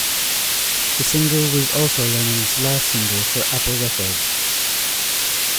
The single was also Lennon's last single for Apple Records.